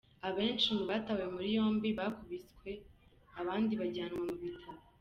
Abenshi mu batawe muri yombi bakubiswe bandi bajyanwa mu bitaro.”